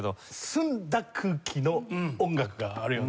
澄んだ空気の音楽があるよね